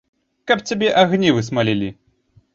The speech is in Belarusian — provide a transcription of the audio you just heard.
Каб цябе агні высмалілі!